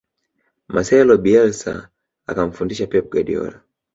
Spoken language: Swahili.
marcelo bielsa akamfundisha pep guardiola